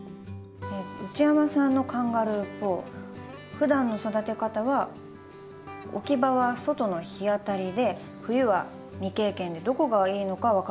内山さんのカンガルーポーふだんの育て方は置き場は外の日当たりで冬は未経験でどこがいいのか分からないそうです。